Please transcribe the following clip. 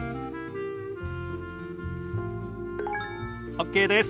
ＯＫです。